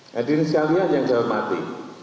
hadirin sekalian yang saya hormati